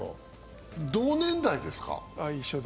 同年代ですか。